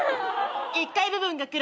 １階部分が黒。